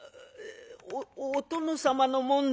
「おお殿様のもんで」。